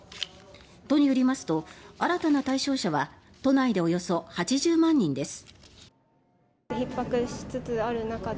都によりますと新たな対象者は都内でおよそ８０万人です。